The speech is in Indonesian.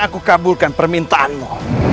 aku akan kabulkan permintaanmu